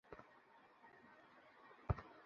তুৃমি কিভাবে জানলে?